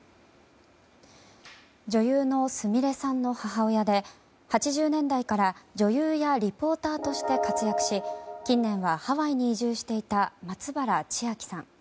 女優のすみれさんの母親で８０年代から女優やリポーターとして活躍し近年はハワイに移住していた松原千明さん。